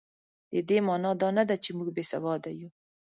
د دې مانا دا نه ده چې موږ بې سواده یو.